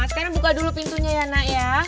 sekarang buka dulu pintunya ya nak ya